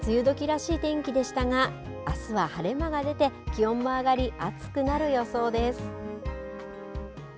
きょうは梅雨どきらしい天気でしたがあすは晴れ間が出て気温も上がり暑くなる予想です。